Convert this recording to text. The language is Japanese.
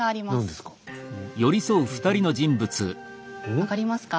分かりますか？